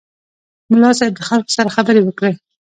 ملا صیب د خلکو سره خبرې وکړې.